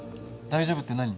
大丈夫って何？